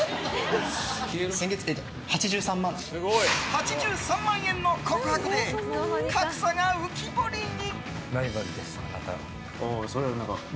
８３万円の告白で格差が浮き彫りに。